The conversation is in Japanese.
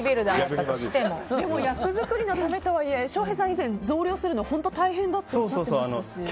でも役作りのためとはいえ翔平さん、以前本当に大変だっておっしゃってましたよね。